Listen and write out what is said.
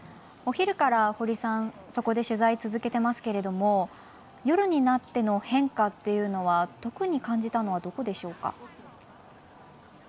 お昼から堀さん、そこで取材を続けていますけど夜になっての変化というのは特に感じたのはどこでしょうか？